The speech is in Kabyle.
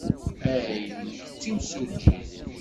Hey, nekk d timsujjit.